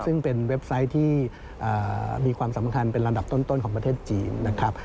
ซึ่งเป็นเว็บไซต์ที่มีความสำคัญเป็นลำดับต้นของประเทศจีนนะครับ